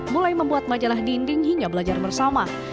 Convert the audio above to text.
mulai membuat majalah dinding hingga belajar bersama